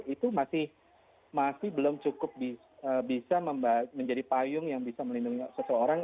itu masih belum cukup bisa menjadi payung yang bisa melindungi seseorang